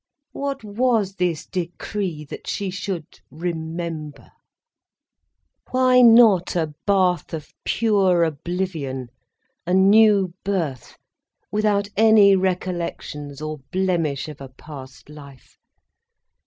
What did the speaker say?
What was this decree, that she should 'remember'! Why not a bath of pure oblivion, a new birth, without any recollections or blemish of a past life.